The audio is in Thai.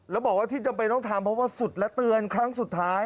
แล้วบอกว่าที่จำเป็นต้องทำเพราะว่าสุดและเตือนครั้งสุดท้าย